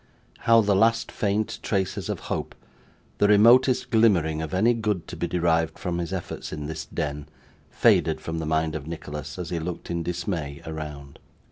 How the last faint traces of hope, the remotest glimmering of any good to be derived from his efforts in this den, faded from the mind of Nicholas as he looked in dismay around!